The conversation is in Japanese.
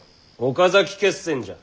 岡崎決戦じゃ！